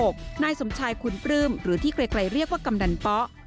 นายสมชายคุณปลื้มหรือที่ไกลเรียกว่ากำนันป๊อ